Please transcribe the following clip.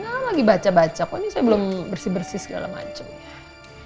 karena lagi baca baca kok ini saya belum bersih bersih segala macem ya